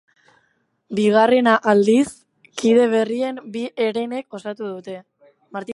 Bigarrena aldiz, kide berrien bi herenek osatuko dute.